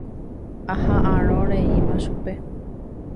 Aha'ãrõ reíma chupe.